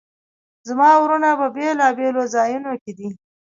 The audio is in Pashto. زما وروڼه په بیلابیلو ځایونو کې دي